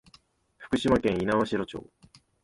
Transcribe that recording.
福島県猪苗代町